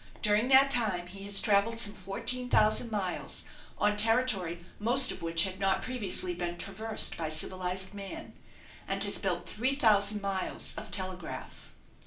During that time he has travelled some fourteen thousand miles, on territory most of which had not previously been traversed by civilized man, and has built three thousand miles of telegraph.